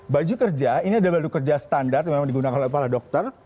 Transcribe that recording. baju kerja ini ada baju kerja standar yang memang digunakan oleh para dokter